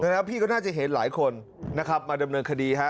แล้วพี่ก็น่าจะเห็นหลายคนนะครับมาดำเนินคดีฮะ